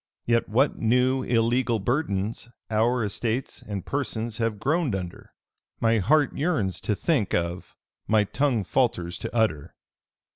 Yet what new illegal burdens our estates and persons have groaned under, my heart yearns to think of, my tongue falters to utter.